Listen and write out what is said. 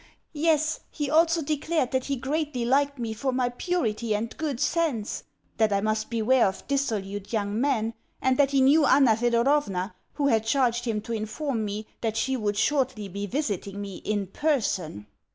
Yes, he also declared that he greatly liked me for my purity and good sense; that I must beware of dissolute young men; and that he knew Anna Thedorovna, who had charged him to inform me that she would shortly be visiting me in person.